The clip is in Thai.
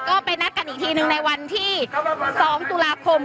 ก็ไปนัดการอีกทีอย่างนึงในวันที่๒ตุลาคม